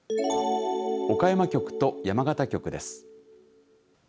岡山局と山形局です。